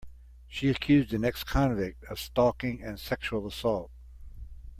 She accused an ex-convict of stalking and sexual assault.